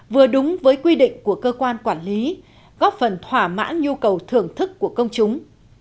vừa đúng với quy định của cơ quan quản lý góp phần thỏa mãn nhu cầu thưởng thức của công chúng